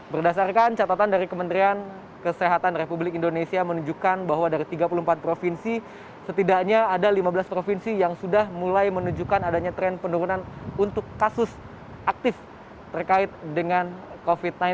berdasarkan catatan dari kementerian kesehatan republik indonesia menunjukkan bahwa dari tiga puluh empat provinsi setidaknya ada lima belas provinsi yang sudah mulai menunjukkan adanya tren penurunan untuk kasus aktif terkait dengan covid sembilan belas